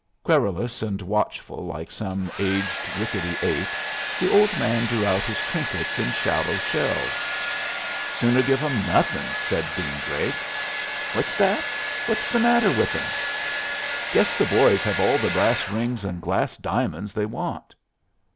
Querulous and watchful, like some aged, rickety ape, the old man drew out his trinkets in shallow shelves. "Sooner give 'em nothing," said Dean Drake. "What's that? What's the matter with them?" "Guess the boys have had all the brass rings and glass diamonds they want."